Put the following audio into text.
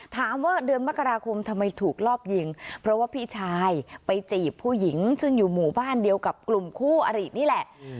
ถามว่าเดือนมกราคมทำไมถูกลอบยิงเพราะว่าพี่ชายไปจีบผู้หญิงซึ่งอยู่หมู่บ้านเดียวกับกลุ่มคู่อรินี่แหละ